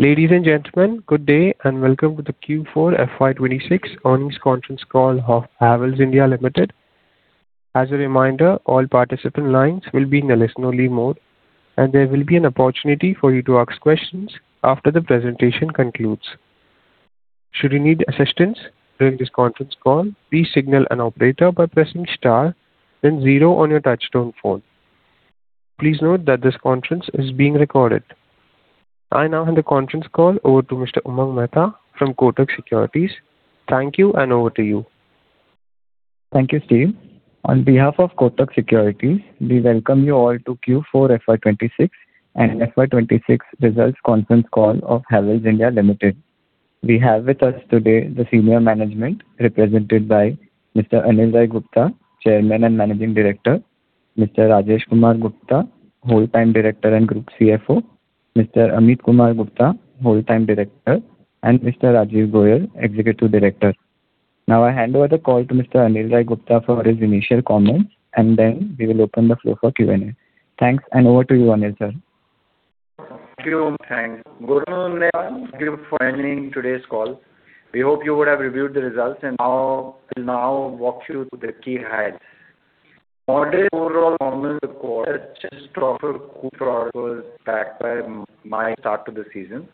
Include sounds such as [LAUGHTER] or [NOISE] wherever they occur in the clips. Ladies and gentlemen, good day, and welcome to the Q4 FY 2026 earnings conference call of Havells India Limited. As a reminder, all participant lines will be in listen only mode, and there will be an opportunity for you to ask questions after the presentation concludes. Should you need assistance during this conference call, please signal an operator by pressing star then zero on your touchtone phone. Please note that this conference is being recorded. I now hand the conference call over to Mr. Umang Mehta from Kotak Securities. Thank you, and over to you. Thank you, Steve. On behalf of Kotak Securities, we welcome you all to Q4 FY 2026 and FY 2026 results conference call of Havells India Limited. We have with us today the senior management represented by Mr. Anil Rai Gupta, Chairman and Managing Director. Mr. Rajesh Kumar Gupta, Whole Time Director and Group CFO. Mr. Ameet Kumar Gupta, Whole Time Director. And Mr. Rajiv Goel, Executive Director. Now I hand over the call to Mr. Anil Rai Gupta for his initial comments, and then we will open the floor for Q&A. Thanks, and over to you, Anil sir. Thank you. Good morning, everyone. Thank you for joining today's call. We hope you would have reviewed the results, and we'll now walk you through the key highlights. Moderate overall performance of the quarter, which is driven by a good start to the season.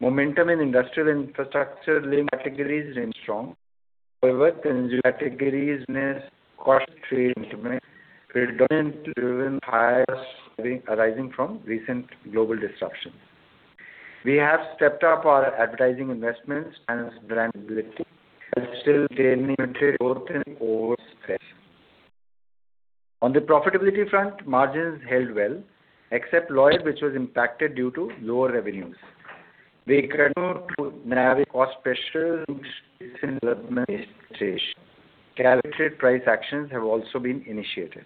Momentum in industrial infrastructure categories remained strong. However, consumer categories missed cost trends arising from recent global disruptions. We have stepped up our advertising investments and brand building, while still maintaining limited growth in overall spend. On the profitability front, margins held well except Lloyd, which was impacted due to lower revenues. We continue to navigate cost pressures. Calibrated price actions have also been initiated.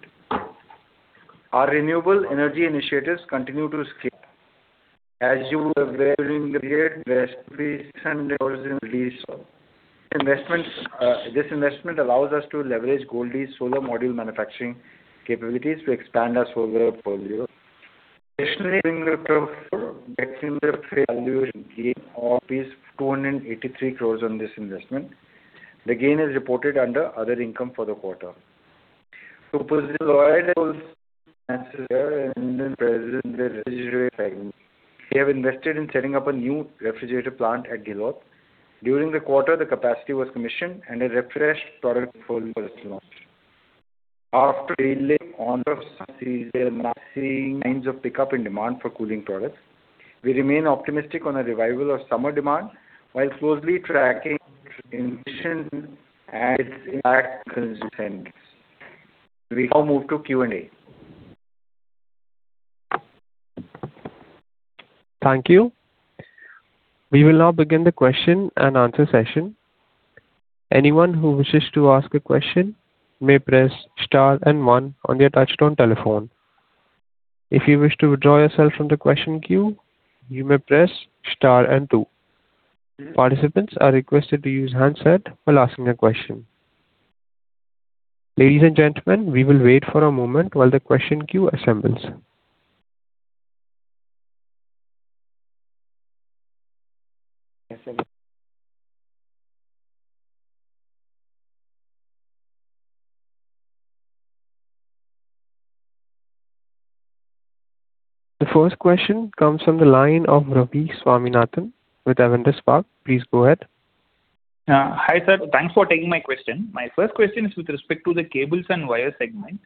Our renewable energy initiatives continue to scale. As you were aware during the period where this investment allows us to leverage Goldi Solar solar module manufacturing capabilities to expand our solar portfolio. Additionally, during the quarter, mark-to-market fair valuation gain of 283 crore on this investment. The gain is reported under other income for the quarter. To position Lloyd, we have invested in setting up a new refrigerator plant at Ghiloth. During the quarter, the capacity was commissioned and a refreshed product portfolio was launched. After a delayed onset of the summer season, we are now seeing signs of pickup in demand for cooling products. We remain optimistic on the revival of summer demand while closely tracking El Niño and its impact on consumption. We now move to Q&A. Thank you. We will now begin the question and answer session. Anyone who wishes to ask a question, you may press star then one on your touchstone telephone. If you wish to withdraw yourself from the question queue, you may press star then two. Participants are requested to use handset for asking the question. Ladies and gentlemen, we will wait for a moment while the question queue assembles. The first question comes from the line of Ravi Swaminathan with Avendus Spark. Please go ahead. Hi, sir. Thanks for taking my question. My first question is with respect to the cables and wire segment.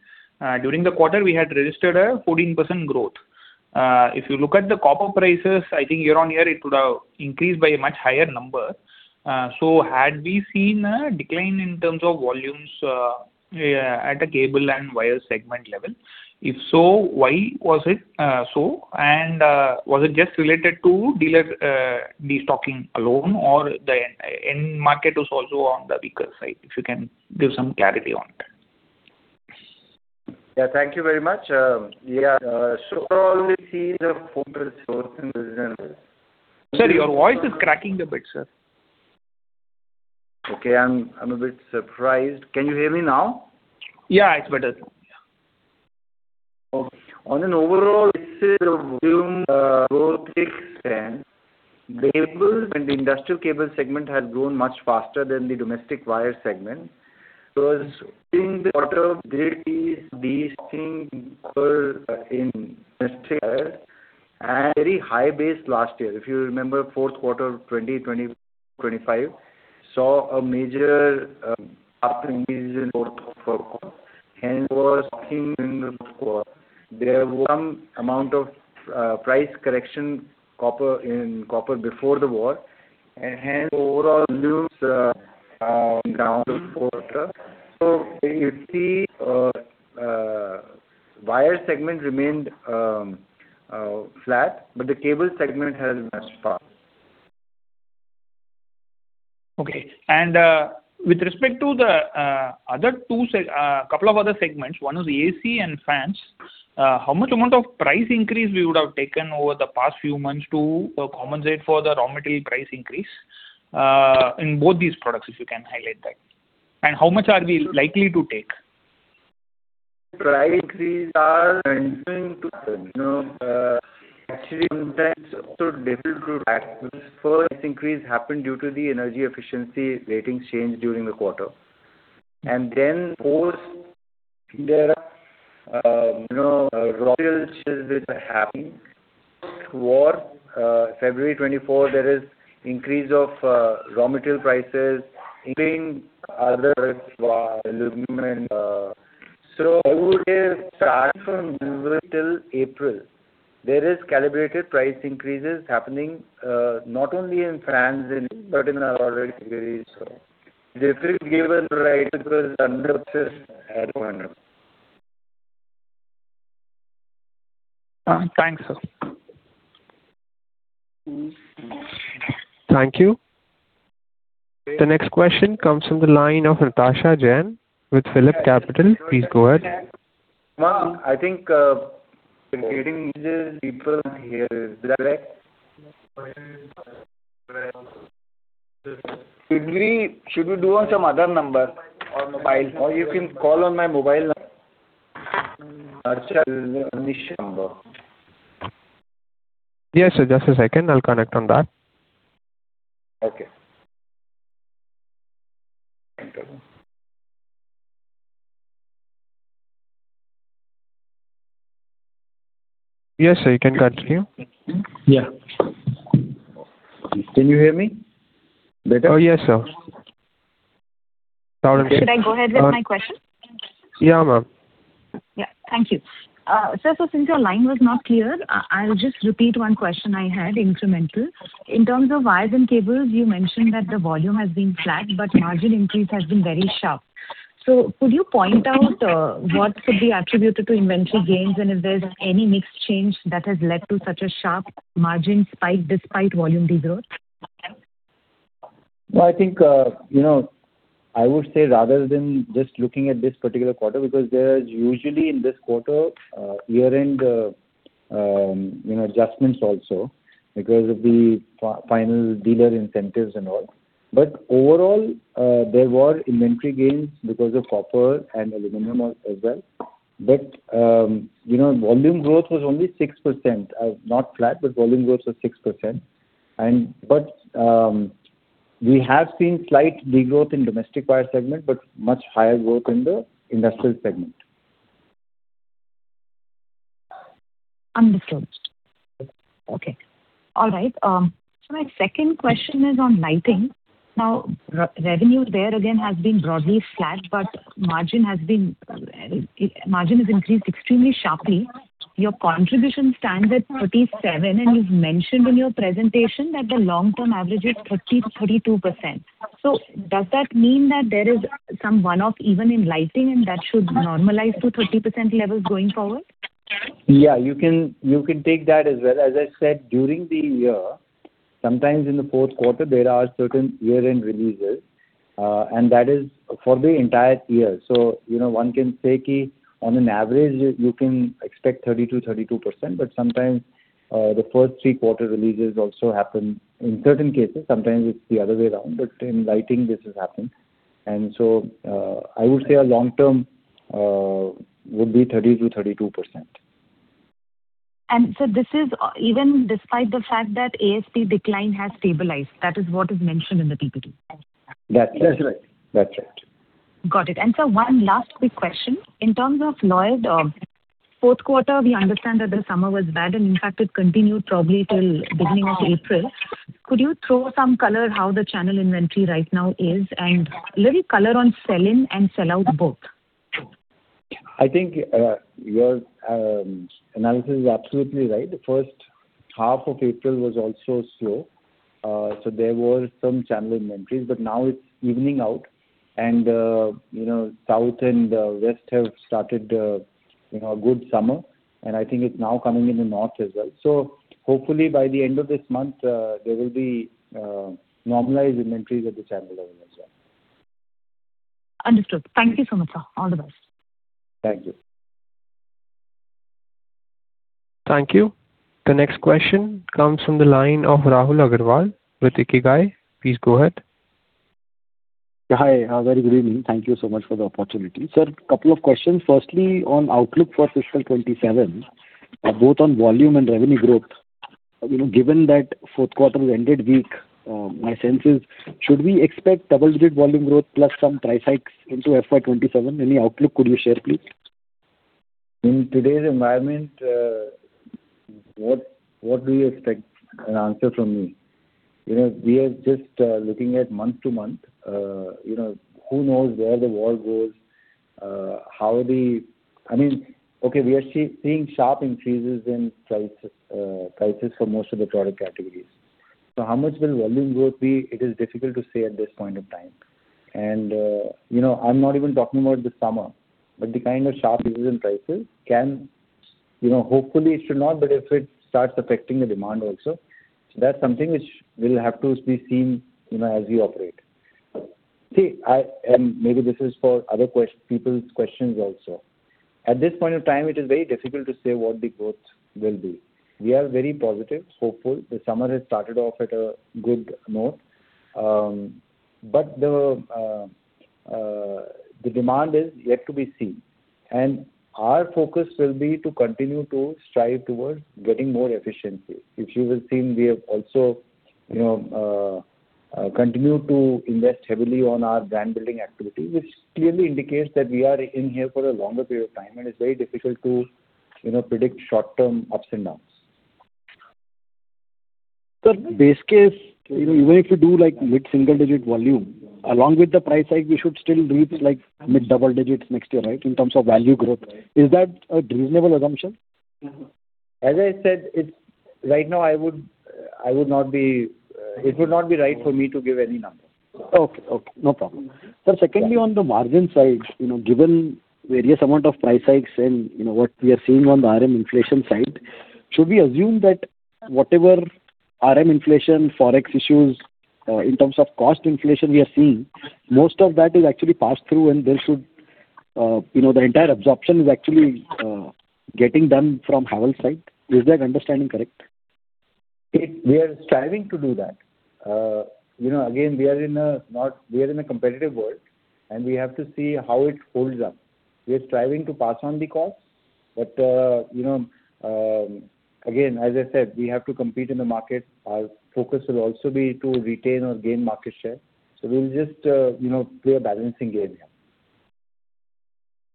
During the quarter, we had registered a 14% growth. If you look at the copper prices, I think year-on-year, it would have increased by a much higher number. Had we seen a decline in terms of volumes at the cable and wire segment level? If so, why was it so? Was it just related to dealer destocking alone or the end market was also on the weaker side? If you can give some clarity on that. Yeah, thank you very much. Yeah. Overall we see the [AUDIO DISTORTION] Sir, your voice is cracking a bit, sir. Okay. I'm a bit surprised. Can you hear me now? Yeah, it's better. Okay. On an overall basis of volume growth the cables and the industrial cable segment has grown much faster than the domestic wire segment. During the quarter, there is destocking in domestic wire and very high base last year. If you remember, fourth quarter 2025 saw a major hike was seen in the fourth quarter. There was some amount of price correction in copper before the war, and hence overall volumes are down quarter-over-quarter. You see wire segment remained flat, but the cable segment has moved fast. Okay. With respect to a couple of other segments, one was the AC and fans. How much amount of price increase we would have taken over the past few months to compensate for the raw material price increase in both these products, if you can highlight that? How much are we likely to take? Price increases are continuing to actually sometimes also difficult to track. First increase happened due to the energy efficiency ratings change during the quarter. Of course, there are raw material changes which are happening. Toward February 2024, there is increase of raw material prices, including others, like aluminum. I would say start from February till April, there is calibrated price increases happening, not only in fans but in our other categories. This will give us the right to pass on the prices as and when. Thanks, sir. Thank you. The next question comes from the line of Natasha Jain with PhillipCapital. Please go ahead. Ma'am, I think, including me, there's people here, should we do on some other number or mobile? Or you can call on my mobile number. Yes, sir. Just a second. I'll connect on that. Okay. Yes, sir. You can continue. Yeah. Can you hear me better? Yes, sir. Should I go ahead with my question? Yeah, ma'am. Yeah. Thank you. Sir, so since your line was not clear, I'll just repeat one question I had, incremental. In terms of wires and cables, you mentioned that the volume has been flat, but margin increase has been very sharp. Could you point out what could be attributed to inventory gains and if there's any mix change that has led to such a sharp margin spike despite volume degrowth? No, I think I would say rather than just looking at this particular quarter, because there is usually in this quarter year-end adjustments also because of the final dealer incentives and all. Overall, there were inventory gains because of copper and aluminum as well. Volume growth was only 6%. Not flat, but volume growth was 6%. We have seen slight degrowth in domestic wire segment, but much higher growth in the industrial segment. Understood. Okay. All right. My second question is on lighting. Now, revenue there again has been broadly flat, but margin has increased extremely sharply. Your contribution stands at 37%, and you've mentioned in your presentation that the long-term average is 30%-32%. Does that mean that there is some one-off even in lighting and that should normalize to 30% levels going forward? Yeah. You can take that as well. As I said, during the year, sometimes in the fourth quarter, there are certain year-end releases, and that is for the entire year. One can say, on average, you can expect 30%-32%, but sometimes, the first three quarters releases also happen in certain cases. Sometimes it's the other way around. In lighting, this has happened. I would say our long-term would be 30%-32%. This is even despite the fact that ASP decline has stabilized. That is what is mentioned in the PPT. That's right. Got it. Sir, one last quick question. In terms of Lloyd, fourth quarter, we understand that the summer was bad and in fact it continued probably till beginning of April. Could you throw some color on how the channel inventory right now is and little color on sell in and sell out both? I think your analysis is absolutely right. The first half of April was also slow, so there was some channel inventories, but now it's evening out and South and West have started a good summer, and I think it's now coming in the North as well. Hopefully by the end of this month, there will be normalized inventories at the channel level as well. Understood. Thank you so much, sir. All the best. Thank you. Thank you. The next question comes from the line of Rahul Agarwal with Ikigai. Please go ahead. Hi. A very good evening. Thank you so much for the opportunity. Sir, couple of questions. Firstly, on outlook for fiscal 2027, both on volume and revenue growth, given that fourth quarter ended weak, my sense is should we expect double-digit volume growth plus some price hikes into FY 2027? Any outlook could you share, please? In today's environment, what do you expect an answer from me? We are just looking at month-to-month. Who knows where the world goes? Okay, we are seeing sharp increases in prices for most of the product categories. How much will volume growth be? It is difficult to say at this point of time. I'm not even talking about the summer, but the kind of sharp increases in prices, hopefully it should not, but if it starts affecting the demand also, that's something which will have to be seen as we operate. See, maybe this is for other people's questions also. At this point of time, it is very difficult to say what the growth will be. We are very positive, hopeful. The summer has started off at a good note. The demand is yet to be seen, and our focus will be to continue to strive towards getting more efficiency. If you will see, we have also continued to invest heavily on our brand-building activity, which clearly indicates that we are in here for a longer period of time, and it's very difficult to predict short-term ups and downs. Sir, base case, even if you do mid-single-digit volume, along with the price hike, we should still reach mid-double-digit next year, right, in terms of value growth? Is that a reasonable assumption? As I said, right now it would not be right for me to give any numbers. Okay. No problem. Sir, secondly, on the margin side, given various amount of price hikes and what we are seeing on the RM inflation side, should we assume that whatever RM inflation, Forex issues, in terms of cost inflation we are seeing, most of that is actually passed through and the entire absorption is actually getting done from Havells' side. Is that understanding correct? We are striving to do that. Again, we are in a competitive world, and we have to see how it holds up. We are striving to pass on the cost. Again, as I said, we have to compete in the market. Our focus will also be to retain or gain market share. We'll just play a balancing game here.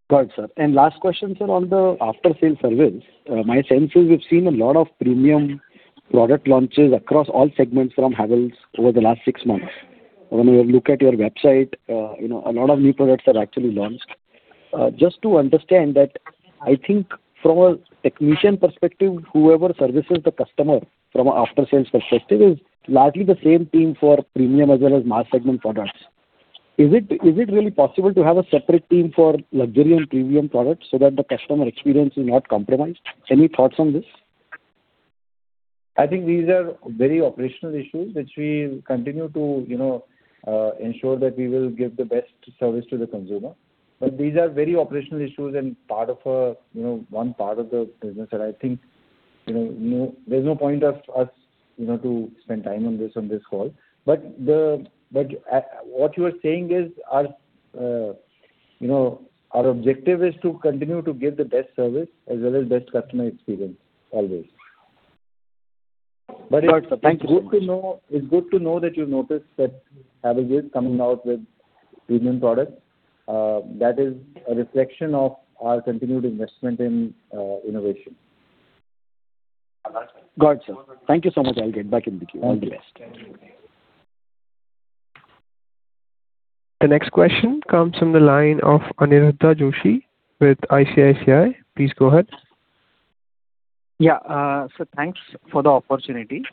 Got it, sir. Last question, sir, on the after-sales service. My sense is we've seen a lot of premium product launches across all segments from Havells over the last six months. When we look at your website, a lot of new products are actually launched. Just to understand that, I think from a technician perspective, whoever services the customer from an after-sales perspective is largely the same team for premium as well as mass segment products. Is it really possible to have a separate team for luxury and premium products so that the customer experience is not compromised? Any thoughts on this? I think these are very operational issues which we continue to ensure that we will give the best service to the consumer. These are very operational issues and one part of the business that I think, there's no point of us to spend time on this call. What you are saying is, our objective is to continue to give the best service as well as best customer experience always. Got it, sir. Thank you so much. It's good to know that you noticed that Havells is coming out with premium products. That is a reflection of our continued investment in innovation. Got it, sir. Thank you so much. I'll get back in the queue. All the best. Thank you. The next question comes from the line of Aniruddha Joshi with ICICI. Please go ahead. Yeah. Sir, thanks for the opportunity.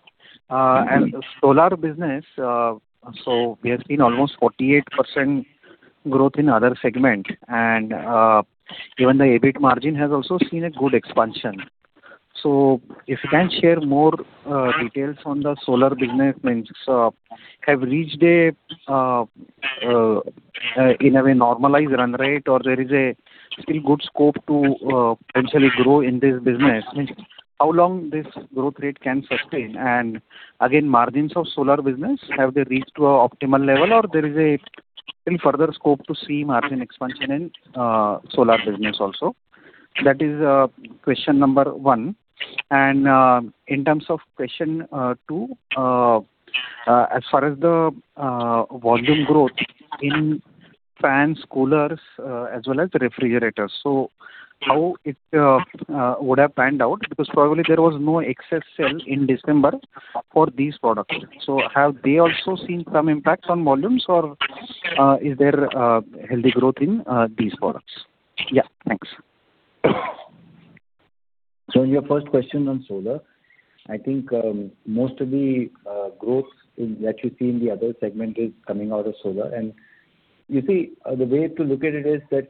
Solar business, so we have seen almost 48% growth in other segments, and even the EBIT margin has also seen a good expansion. If you can share more details on the solar business, have reached a, in a way, normalized run rate, or there is a still good scope to potentially grow in this business? How long this growth rate can sustain, and again, margins of solar business, have they reached to an optimal level, or there is a still further scope to see margin expansion in solar business also? That is question number one. In terms of question two, as far as the volume growth in fans, coolers, as well as refrigerators. How it would have panned out, because probably there was no excess sale in December for these products. Have they also seen some impact on volumes, or is there healthy growth in these products? Yeah, thanks. In your first question on solar, I think most of the growth that you see in the other segment is coming out of solar. You see, the way to look at it is that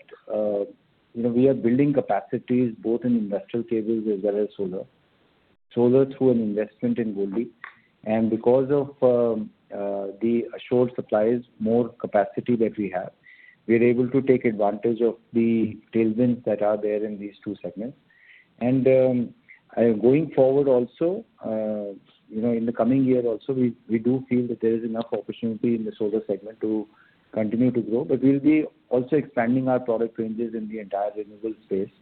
we are building capacities both in industrial cables as well as solar. Solar through an investment in Goldi Solar. Because of the assured supplies, more capacity that we have, we are able to take advantage of the tailwinds that are there in these two segments. Going forward also, in the coming year also, we do feel that there is enough opportunity in the solar segment to continue to grow. We'll be also expanding our product ranges in the entire renewable space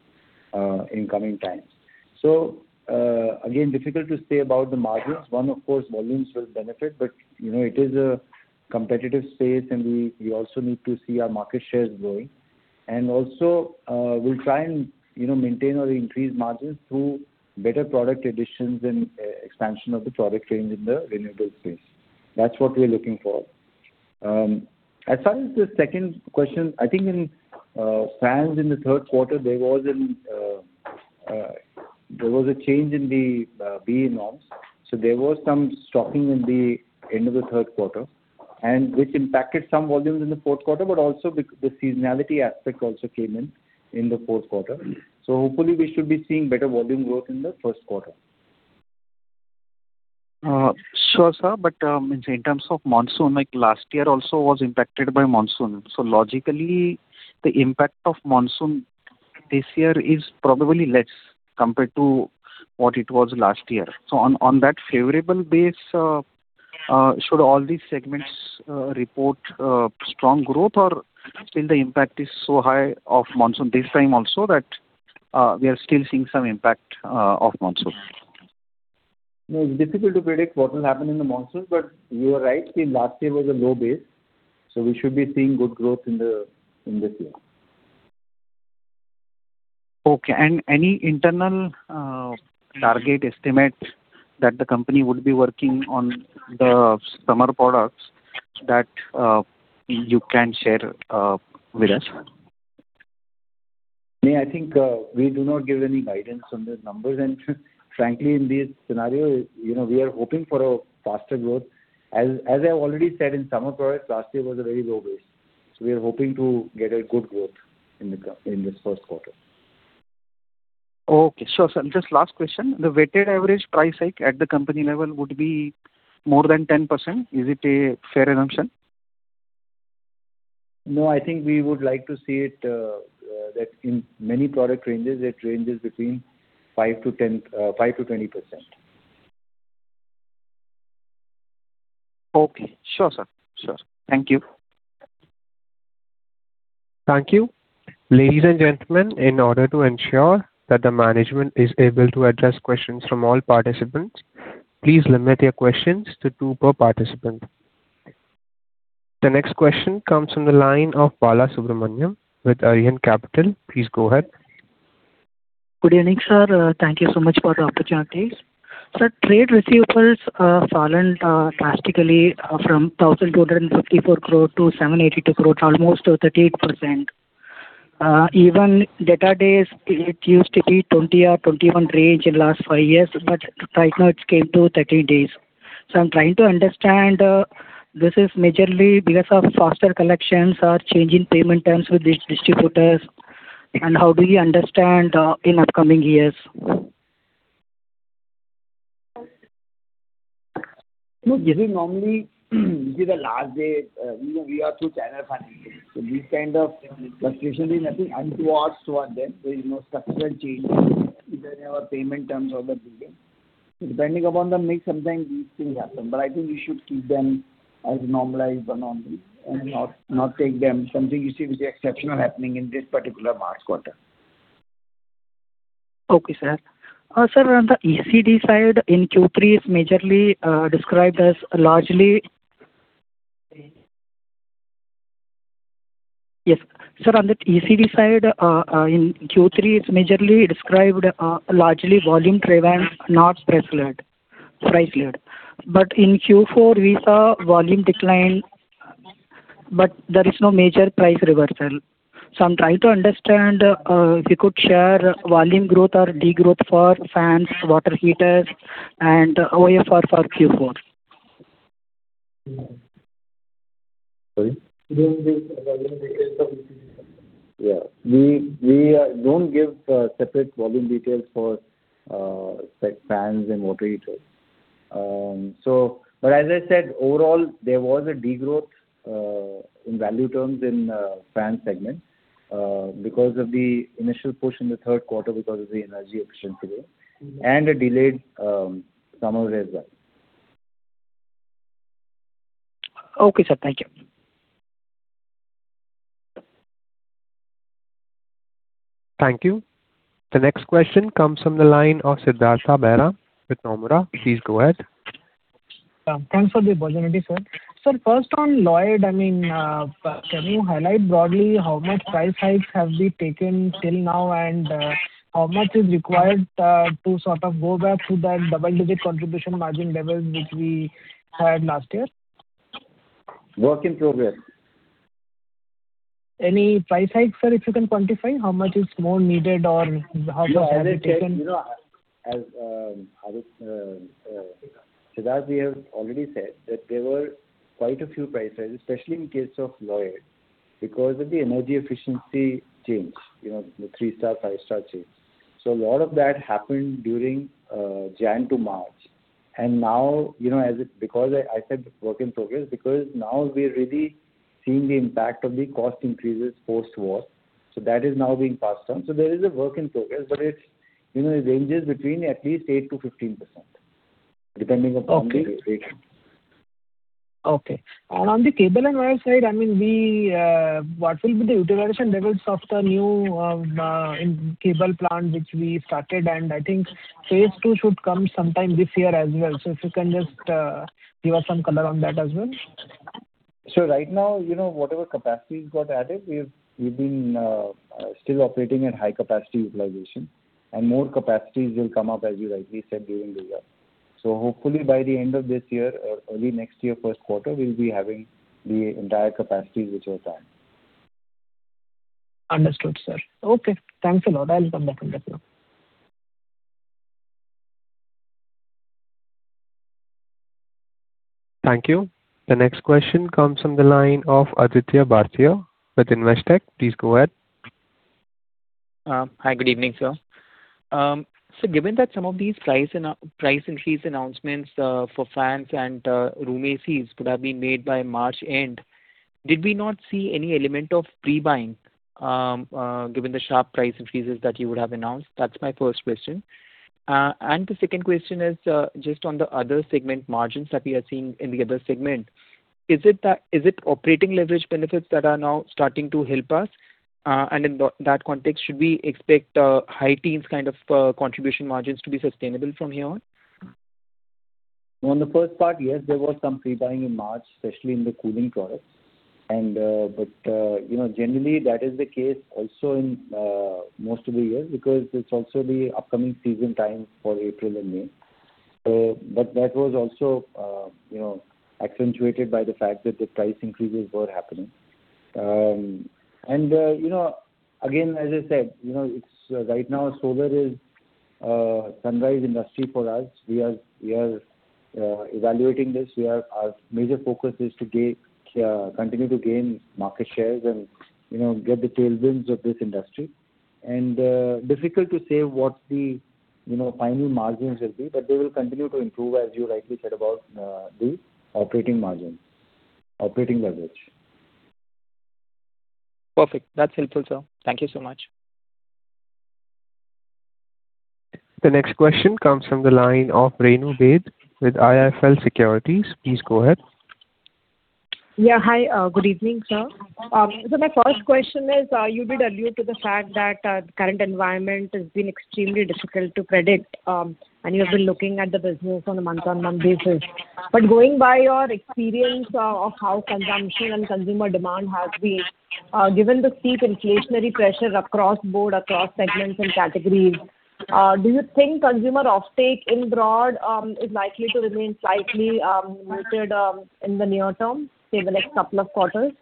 in coming times. Again, difficult to say about the margins. One, of course, volumes will benefit, but it is a competitive space and we also need to see our market shares growing. Also, we'll try and maintain or increase margins through better product additions and expansion of the product range in the renewable space. That's what we're looking for. As far as the second question, I think in fans in the third quarter, there was a change in the BEE norms. There was some stocking in the end of the third quarter, and which impacted some volumes in the fourth quarter, but also the seasonality aspect also came in the fourth quarter. Hopefully we should be seeing better volume growth in the first quarter. Sure, sir. In terms of monsoon, like last year also was impacted by monsoon. Logically, the impact of monsoon this year is probably less compared to what it was last year. On that favorable base, should all these segments report strong growth or still the impact is so high of monsoon this time also that we are still seeing some impact of monsoon? No, it's difficult to predict what will happen in the monsoon. You are right, last year was a low base, so we should be seeing good growth in this year. Okay. Any internal target estimate that the company would be working on the summer products that you can share with us? I think we do not give any guidance on the numbers, and frankly, in this scenario, we are hoping for a faster growth. As I've already said, in summer products, last year was a very low base. We are hoping to get a good growth in this first quarter. Okay. Sure, sir. Just last question, the weighted average price hike at the company level would be more than 10%. Is it a fair assumption? No, I think we would like to see that in many product ranges, it ranges between 5%-20%. Okay. Sure, sir. Thank you. Thank you. Ladies and gentlemen, in order to ensure that the management is able to address questions from all participants, please limit your questions to two per participant. The next question comes from the line of Balasubramanian A with Arihant Capital. Please go ahead. Good evening, sir. Thank you so much for the opportunity. Sir, trade receivables have fallen drastically from 1,254 crore to 782 crore, almost 38%. Even debtor days, it used to be 20 or 21 range in last five years, but right now it's came to 30 days. I'm trying to understand, this is majorly because of faster collections or change in payment terms with distributors, and how do you understand in upcoming years? Look, this is normally the last day. We are two channel partners, so this kind of fluctuation is nothing unusual to us. There is no structural change either in our payment terms or the billing. Depending upon the mix, sometimes these things happen, but I think you should keep them as a normalized anomaly and not take them as something you see which is exceptional happening in this particular March quarter. Yes, sir, on the ECD side, in Q3, it's majorly described largely volume-driven, not price-led. In Q4, we saw volume decline, but there is no major price reversal. I'm trying to understand, if you could share volume growth or degrowth for fans, water heaters, and OFR for Q4. Volume details of... Yeah. We don't give separate volume details for fans and water heaters. As I said, overall, there was a degrowth, in value terms, in fan segment, because of the initial push in the third quarter because of the energy efficiency bill and a delayed summer as well. Okay, sir. Thank you. Thank you. The next question comes from the line of Siddhartha Bera with Nomura. Please go ahead. Thanks for the opportunity, sir. Sir, first on Lloyd, can you highlight broadly how much price hikes have been taken till now and how much is required to sort of go back to that double-digit contribution margin levels which we had last year? Work in progress. Any price hikes, sir, if you can quantify how much is more needed or how far have you taken? Siddhartha, we have already said that there were quite a few price hikes, especially in case of Lloyd, because of the energy efficiency change, the star, five-star change. A lot of that happened during January to March. Now, because I said work in progress, because now we're really seeing the impact of the cost increases post-war. That is now being passed on. There is a work in progress, but it ranges between at least 8%-15%, depending upon the... Okay. On the cable and wire side, what will be the utilization levels of the new cable plant which we started? I think phase two should come sometime this year as well. If you can just give us some color on that as well? Right now, whatever capacity got added, we've been still operating at high capacity utilization, and more capacities will come up, as you rightly said, during this year. Hopefully by the end of this year or early next year first quarter, we'll be having the entire capacities which were planned. Understood, sir. Okay, thanks a lot. I'll come back in the queue. Thank you. The next question comes from the line of Aditya Bhartia with Investec. Please go ahead. Hi. Good evening, sir. Given that some of these price increase announcements for fans and room ACs could have been made by March end, did we not see any element of pre-buying given the sharp price increases that you would have announced? That's my first question. The second question is just on the other segment margins that we are seeing in the other segment. Is it operating leverage benefits that are now starting to help us? In that context, should we expect high teens contribution margins to be sustainable from here on? On the first part, yes, there was some pre-buying in March, especially in the cooling products. Generally, that is the case also in most of the year because it's also the upcoming season time for April and May. That was also accentuated by the fact that the price increases were happening. Again, as I said, right now solar is a sunrise industry for us. We are evaluating this. Our major focus is to continue to gain market shares and get the tailwinds of this industry. Difficult to say what the final margins will be, but they will continue to improve, as you rightly said, about the operating margin, operating leverage. Perfect. That's helpful, sir. Thank you so much. The next question comes from the line of Renu Baid with IIFL Securities. Please go ahead. Yeah. Hi, good evening, sir. My first question is, you did allude to the fact that the current environment has been extremely difficult to predict, and you have been looking at the business on a month-on-month basis. Going by your experience of how consumption and consumer demand has been, given the steep inflationary pressure across board, across segments and categories, do you think consumer offtake in broad is likely to remain slightly muted in the near term, say the next couple of quarters?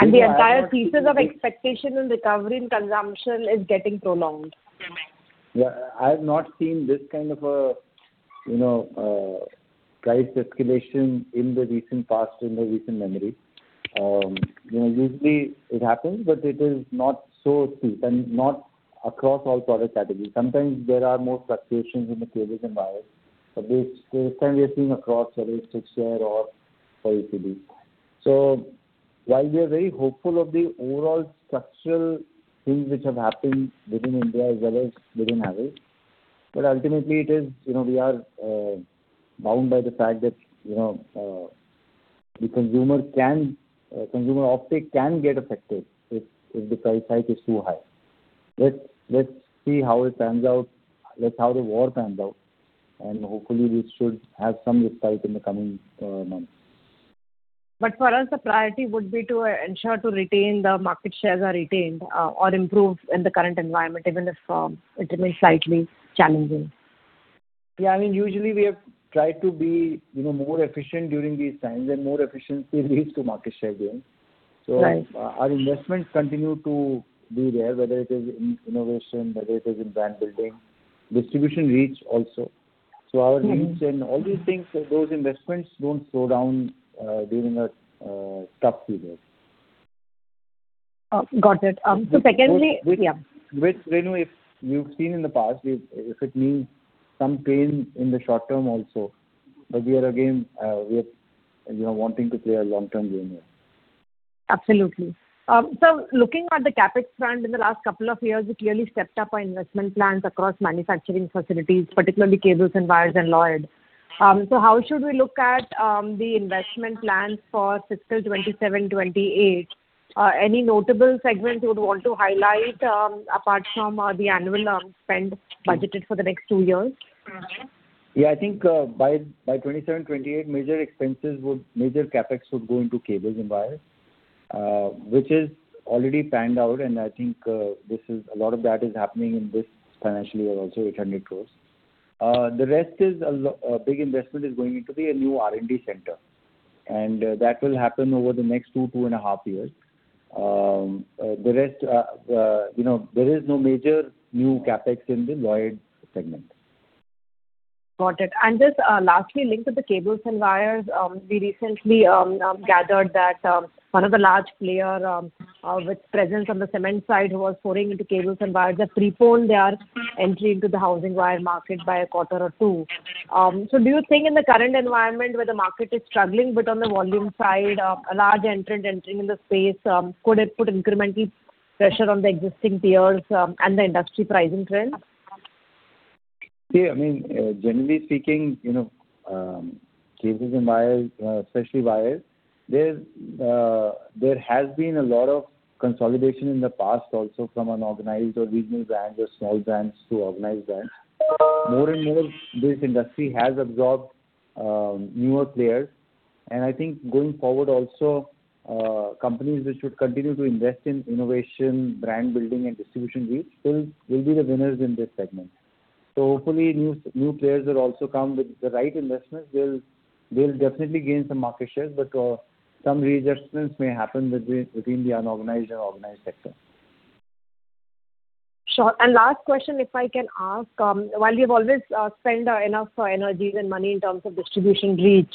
The entire thesis of expectation and recovery in consumption is getting prolonged. Yeah. I've not seen this kind of a price escalation in the recent past, in the recent memory. Usually it happens, but it is not so steep and not across all product categories. Sometimes there are more fluctuations in the cables and wires. This time we are seeing across whether it's mixer or for UHD. While we are very hopeful of the overall structural things which have happened within India as well as within Havells, ultimately we are bound by the fact that the consumer offtake can get affected if the price hike is too high. Let's see how it pans out. Let's see how the war pans out, and hopefully we should have some respite in the coming months. For us, the priority would be to ensure the market shares are retained or improved in the current environment, even if it remains slightly challenging. Yeah, usually we have tried to be more efficient during these times, and more efficiency leads to market share gain. Right. Our investments continue to be there, whether it is in innovation, whether it is in brand building, distribution reach also. Our reach and all these things, those investments don't slow down during a tough period. Got it. Secondly, yeah. Which, Renu, if you've seen in the past, if it means some pain in the short term also. We are wanting to play a long-term game here. Absolutely. Looking at the CapEx front, in the last couple of years, we clearly stepped up our investment plans across manufacturing facilities, particularly cables and wires and Lloyd. How should we look at the investment plans for FY 2027, FY 2028? Any notable segments you would want to highlight apart from the annual spend budgeted for the next two years? Yeah, I think by FY 2027, FY 2028, major CapEx would go into cables and wires, which is already planned out, and I think a lot of that is happening in this financial year also, 800 crore. The rest, a big investment, is going into the new R&D center, and that will happen over the next two, two and a half years. There is no major new CapEx in the Lloyd segment. Got it. Just lastly, linked to the cables and wires, we recently gathered that one of the large player with presence on the cement side who was foraying into cables and wires have postponed their entry into the housing wire market by a quarter or two. Do you think in the current environment where the market is struggling bit on the volume side, a large entrant entering in the space, could it put incremental pressure on the existing peers and the industry pricing trends? Yeah, generally speaking, cables and wires, especially wires, there has been a lot of consolidation in the past also from unorganized or regional brands or small brands to organized brands. More and more, this industry has absorbed newer players, and I think going forward also, companies which should continue to invest in innovation, brand building, and distribution reach will be the winners in this segment. Hopefully new players will also come with the right investments. They'll definitely gain some market shares, but some resistance may happen within the unorganized or organized sector. Sure. Last question, if I can ask, while you've always spent enough energies and money in terms of distribution reach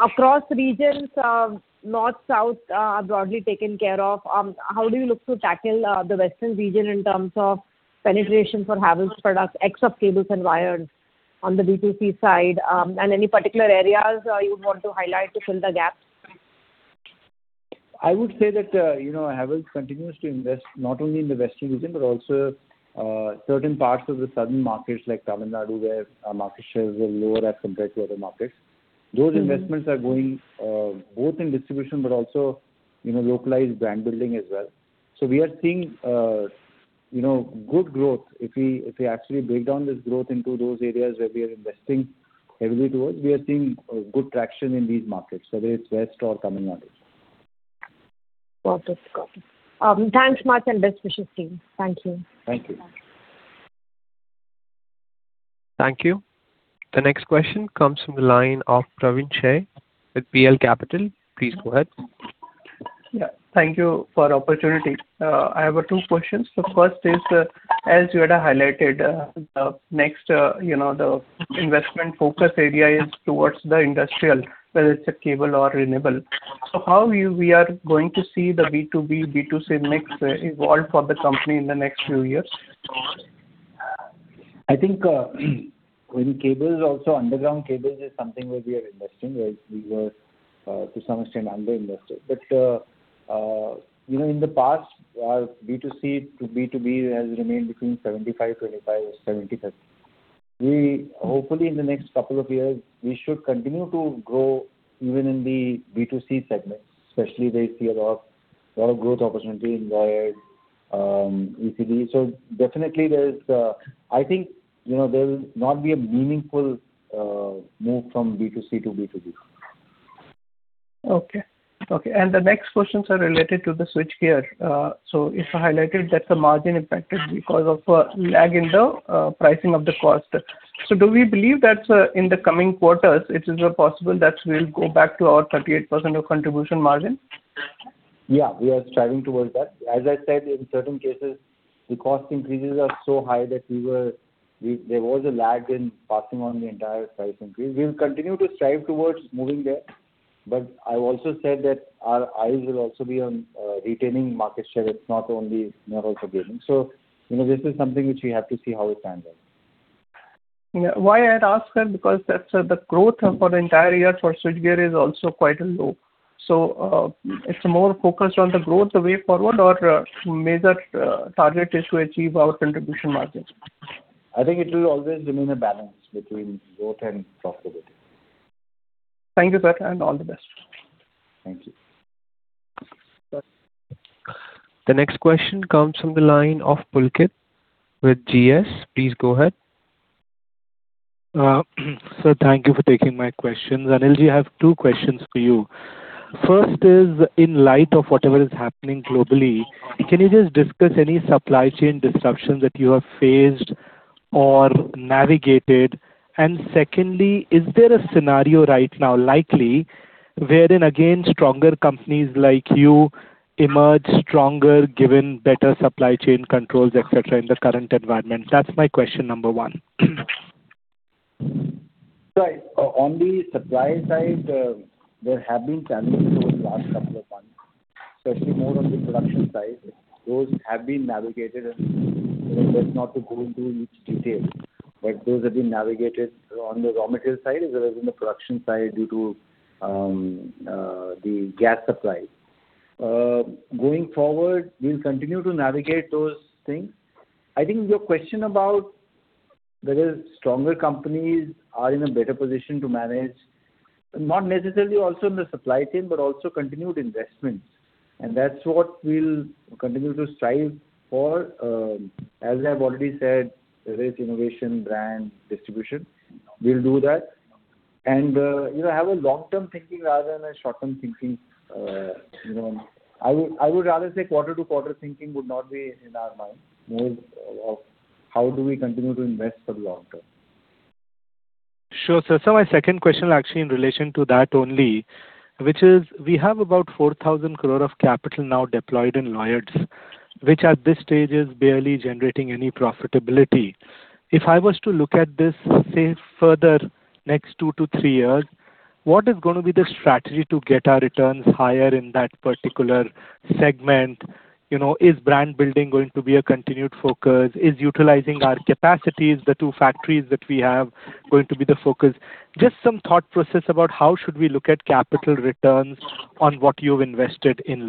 across regions, North, South are broadly taken care of. How do you look to tackle the Western region in terms of penetration for Havells products, except cables and wires on the B2C side? Any particular areas you would want to highlight to fill the gaps? I would say that Havells continues to invest not only in the Western region but also certain parts of the Southern markets like Tamil Nadu, where our market shares were lower as compared to other markets. Those investments are going both in distribution but also localized brand building as well. We are seeing good growth. If we actually break down this growth into those areas where we are investing heavily towards, we are seeing good traction in these markets, whether it's West or Tamil Nadu. Got it. Thanks much, and best wishes to you. Thank you. Thank you. Thank you. The next question comes from the line of Praveen Sahay with PL Capital. Please go ahead. Yeah. Thank you for the opportunity. I have two questions. First is, as you had highlighted, the investment focus area is towards the industrial, whether it's a cable or renewable. How we are going to see the B2B, B2C mix evolve for the company in the next few years? I think in cables also, underground cables is something where we are investing, where we were, to some extent, under-invested. In the past, our B2C to B2B has remained between 75%-25% or 70%-30%. Hopefully, in the next couple of years, we should continue to grow even in the B2C segment, especially there you see a lot of growth opportunity in wired, ECD. So definitely, I think, there will not be a meaningful move from B2C to B2B. Okay. The next questions are related to the switchgear. If I highlighted that the margin impacted because of a lag in the pricing of the cost, do we believe that in the coming quarters, it is possible that we'll go back to our 38% contribution margin? Yeah. We are striving towards that. As I said, in certain cases, the cost increases are so high that there was a lag in passing on the entire price increase. We'll continue to strive towards moving there, but I also said that our eyes will also be on retaining market share. It's not only never forgetting. This is something which we have to see how it pans out. Yeah. Why I'd asked that because that's the growth for the entire year for switchgear is also quite low. It's more focused on the growth the way forward or major target is to achieve our contribution margins? I think it will always remain a balance between growth and profitability. Thank you, sir. All the best. Thank you. The next question comes from the line of Pulkit with GS. Please go ahead. Sir, thank you for taking my questions. Anil, I have two questions for you. First is, in light of whatever is happening globally, can you just discuss any supply chain disruptions that you have faced or navigated? Secondly, is there a scenario right now likely wherein again, stronger companies like you emerge stronger given better supply chain controls, et cetera, in the current environment? That's my question number one. Right. On the supply side, there have been challenges over the last couple of months, especially more on the production side. Those have been navigated and just not to go into each detail. Those have been navigated on the raw material side as well as on the production side due to the gas supply. Going forward, we'll continue to navigate those things. I think your question about whether stronger companies are in a better position to manage, not necessarily also in the supply chain, but also continued investments. That's what we'll continue to strive for. As I have already said, whether it's innovation, brand, distribution, we'll do that. Have a long-term thinking rather than a short-term thinking. I would rather say quarter-to-quarter thinking would not be in our mind. More of how do we continue to invest for the long term. Sure, sir. My second question actually in relation to that only, which is, we have about 4,000 crore of capital now deployed in Lloyd, which at this stage is barely generating any profitability. If I was to look at this, say, for the next two to three years, what is going to be the strategy to get our returns higher in that particular segment? Is brand building going to be a continued focus? Is utilizing our capacities, the two factories that we have, going to be the focus? Just some thought process about how should we look at capital returns on what you've invested in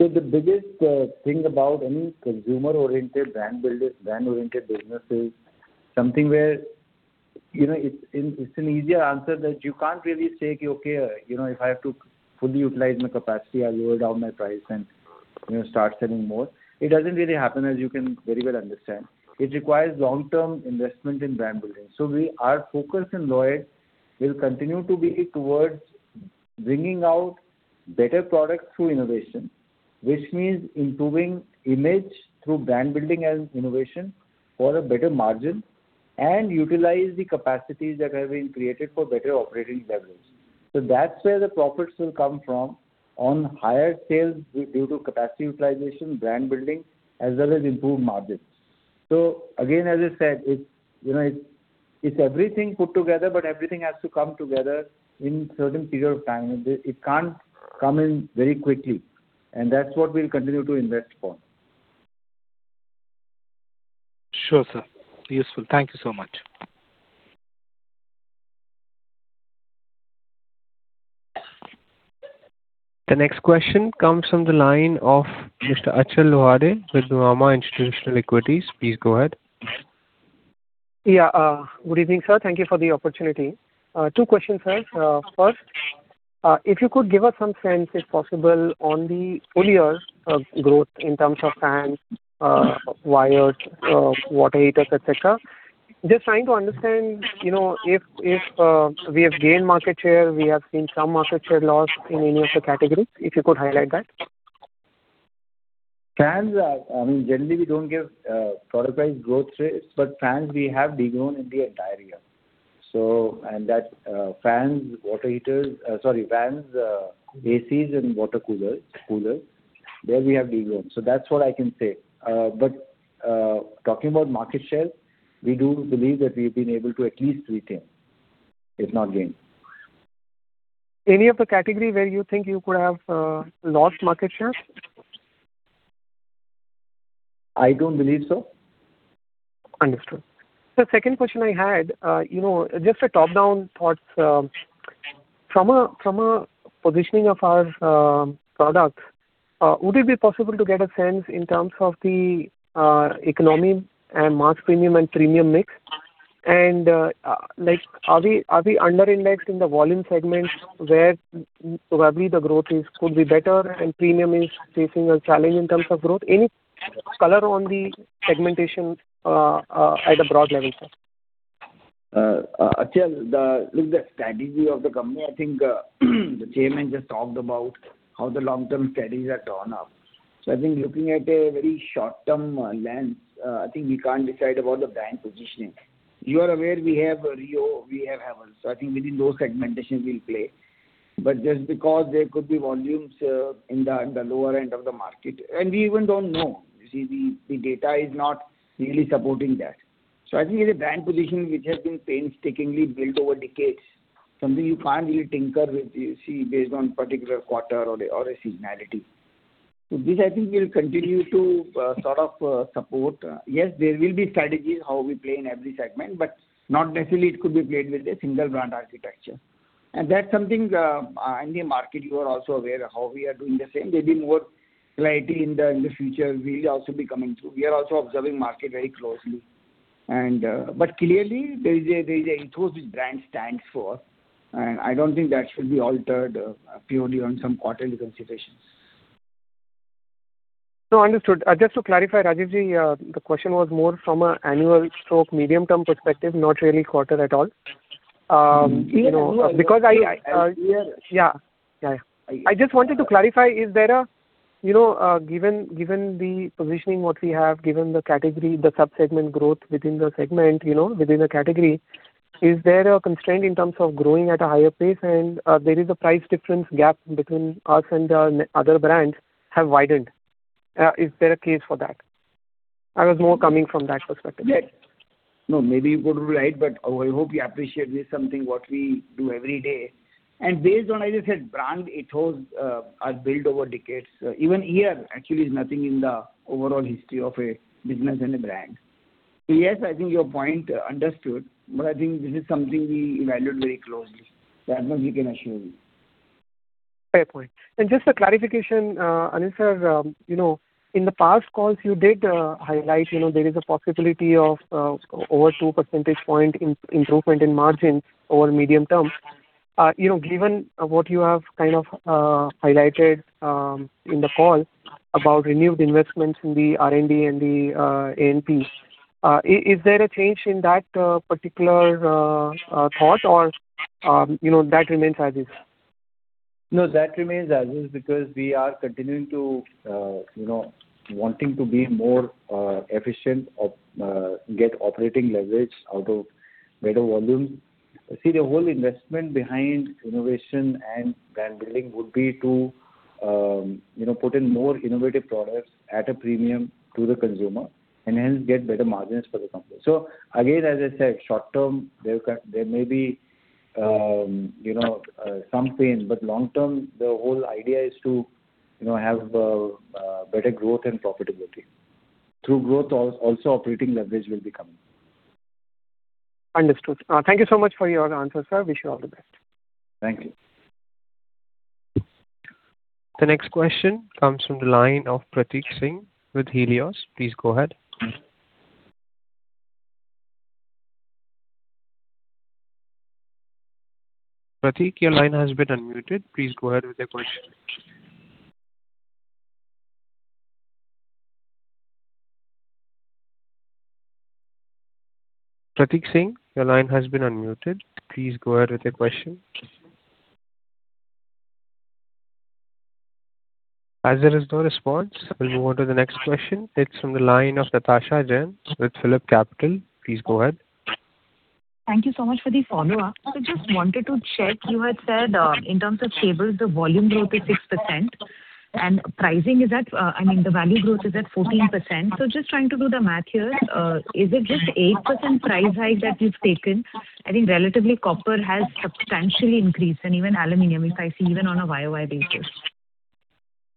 Lloyd. The biggest thing about any consumer-oriented brand builders, brand-oriented business is something where it's an easier answer that you can't really say, "Okay, if I have to fully utilize my capacity, I'll lower down my price and start selling more." It doesn't really happen, as you can very well understand. It requires long-term investment in brand building. Our focus in Lloyd will continue to be towards bringing out better products through innovation, which means improving image through brand building and innovation for a better margin, and utilize the capacities that have been created for better operating leverage. That's where the profits will come from, on higher sales due to capacity utilization, brand building, as well as improved margins. Again, as I said, it's everything put together, but everything has to come together in certain period of time. It can't come in very quickly, and that's what we'll continue to invest for. Sure, sir. Useful. Thank you so much. The next question comes from the line of Mr. Achal Lohade with Nuvama Institutional Equities. Please go ahead. Yeah. Good evening, sir. Thank you for the opportunity. Two questions, sir. First, if you could give us some sense, if possible, on the full year growth in terms of fans, wires, water heaters, et cetera. Just trying to understand, if we have gained market share, we have seen some market share loss in any of the categories, if you could highlight that. Generally, we don't give product wise growth rates, but fans we have de-grown in the entire year. That's fans, ACs and water coolers, there we have de-grown. That's what I can say. Talking about market share, we do believe that we've been able to at least retain, if not gain. Any of the category where you think you could have lost market share? I don't believe so. Understood. Sir, second question I had, just a top-down thoughts. From a positioning of our products, would it be possible to get a sense in terms of the economy and mass premium and premium mix? And are we under-indexed in the volume segment where probably the growth could be better and premium is facing a challenge in terms of growth? Any color on the segmentation at a broad level, sir? Achal, look, the strategy of the company. I think the chairman just talked about how the long-term strategies are drawn up. I think looking at a very short-term lens, I think we can't decide about the brand positioning. You are aware we have REO, we have Havells. I think within those segmentations we'll play. Just because there could be volumes in the lower end of the market, and we even don't know. You see, the data is not really supporting that. I think it's a brand positioning which has been painstakingly built over decades, something you can't really tinker with based on particular quarter or a seasonality. This, I think, will continue to sort of support. Yes, there will be strategies how we play in every segment, but not necessarily it could be played with a single brand architecture. That's something, in the market you are also aware how we are doing the same. Maybe more clarity in the future will also be coming through. We are also observing market very closely. Clearly there is a ethos which brand stands for, and I don't think that should be altered purely on some quarterly considerations. No, understood. Just to clarify, Anil, the question was more from an annual sort of, medium-term perspective, not really quarterly at all. I hear- Yeah. I just wanted to clarify, given the positioning what we have, given the category, the sub-segment growth within the segment, within the category, is there a constraint in terms of growing at a higher pace, and there is a price difference gap between us and the other brands have widened. Is there a case for that? I was more coming from that perspective. Yes. No, maybe you are right, but I hope you appreciate this is something what we do every day. Based on, as I said, brand ethos are built over decades. Even a year actually is nothing in the overall history of a business and a brand. Yes, I think your point, understood, but I think this is something we evaluate very closely. That much we can assure you. Fair point. Just a clarification, Anil sir, in the past calls you did highlight there is a possibility of over two percentage point improvement in margin over medium term. Given what you have kind of highlighted in the call about renewed investments in the R&D and the A&P, is there a change in that particular thought or that remains as is? No, that remains as is because we are continuing to wanting to be more efficient, get operating leverage out of better volume. See, the whole investment behind innovation and brand building would be to put in more innovative products at a premium to the consumer and hence get better margins for the company. Again, as I said, short term, there may be some pain, but long term, the whole idea is to have better growth and profitability. Through growth, also operating leverage will be coming. Understood. Thank you so much for your answers, sir. Wish you all the best. Thank you. The next question comes from the line of Pratik Singh with Helios. Please go ahead. Pratik, your line has been unmuted. Please go ahead with your question. Pratik Singh, your line has been unmuted. Please go ahead with your question. As there is no response, we'll move on to the next question. It's from the line of Natasha Jain with PhillipCapital. Please go ahead. Thank you so much for the follow-up. Just wanted to check, you had said in terms of cables, the volume growth is 6% and the value growth is at 14%. Just trying to do the math here. Is it just 8% price hike that you've taken? I think relatively copper has substantially increased and even aluminum, if I see, even on a YOY basis.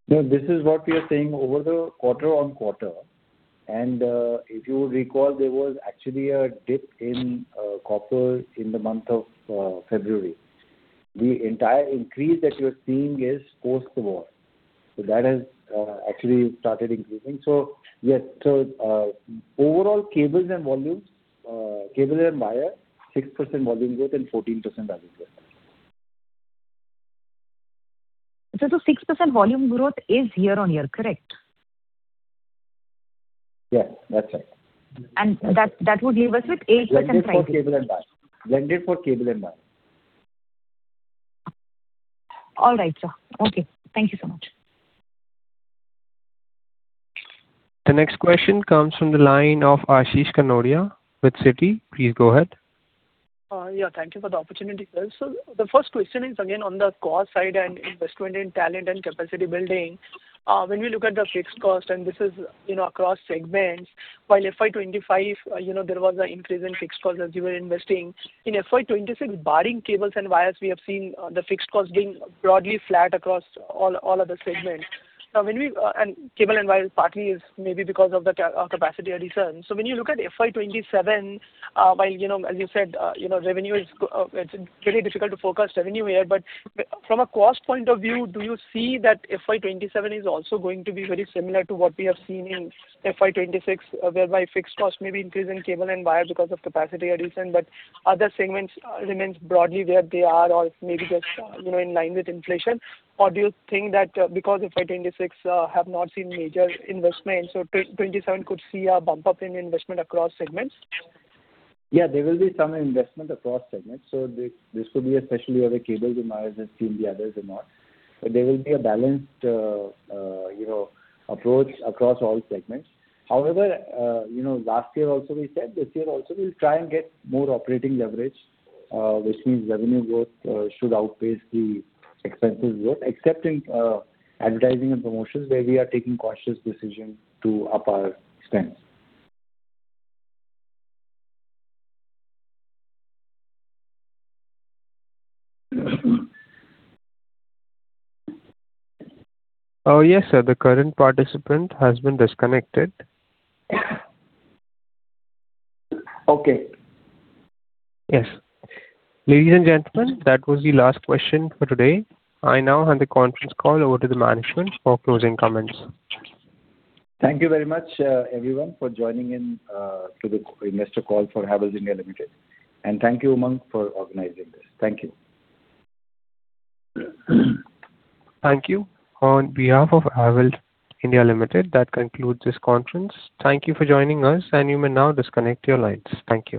No, this is what we are saying over the quarter-over-quarter. If you recall, there was actually a dip in copper in the month of February. The entire increase that you're seeing is post the war. That has actually started increasing. Yes, so overall, cables and wires, 6% volume growth and 14% value growth. The 6% volume growth is year-on-year, correct? Yes, that's right. That would leave us with 8% price- Blended for cable and wire. All right, sir. Okay. Thank you so much. The next question comes from the line of Ashish Kanodia with Citi. Please go ahead. Yeah, thank you for the opportunity, sir. The first question is again on the cost side and investment in talent and capacity building. When we look at the fixed cost, and this is across segments, while FY 2025, there was an increase in fixed cost as you were investing. In FY 2026, barring cables and wires, we have seen the fixed cost being broadly flat across all other segments. Cable and wires partly is maybe because of the capacity addition. When you look at FY 2027, while as you said, it's really difficult to forecast revenue here, but from a cost point of view, do you see that FY 2027 is also going to be very similar to what we have seen in FY 2026, whereby fixed costs may be increased in cable and wires because of capacity addition, but other segments remains broadly where they are or maybe just in line with inflation? Or do you think that because FY 2026 have not seen major investments, so FY 2027 could see a bump up in investment across segments? Yeah, there will be some investment across segments. This could be especially where the cable demand has seen the upturn or not. There will be a balanced approach across all segments. However, last year also we said this year also we'll try and get more operating leverage, which means revenue growth should outpace the expenses growth, except in advertising and promotions, where we are taking cautious decision to up our spends. Oh, yes, sir. The current participant has been disconnected. Okay. Yes. Ladies and gentlemen, that was the last question for today. I now hand the conference call over to the management for closing comments. Thank you very much, everyone, for joining in to the investor call for Havells India Limited. Thank you, Umang, for organizing this. Thank you. Thank you. On behalf of Havells India Limited, that concludes this conference. Thank you for joining us, and you may now disconnect your lines. Thank you.